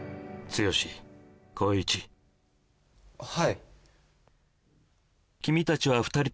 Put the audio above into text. はい